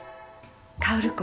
薫子。